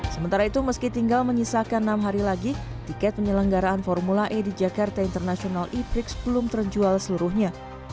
sementara itu meski tinggal menyisakan enam hari lagi tiket penyelenggaraan formula e di jakarta international e prix belum terjual seluruhnya